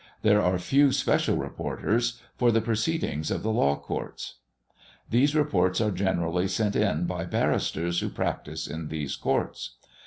There are few special reporters for the proceedings of the law courts. These reports are generally sent in by barristers who practise in these courts.